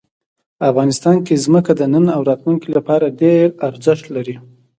افغانستان کې ځمکه د نن او راتلونکي لپاره ډېر ارزښت لري.